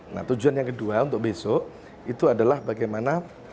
nah tujuan yang kedua untuk besok itu adalah bagaimana